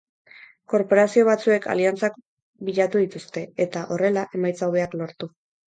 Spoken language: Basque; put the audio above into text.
Korporazio batzuek aliantzak bilatu dituzte, eta, horrela, emaitza hobeak lortu.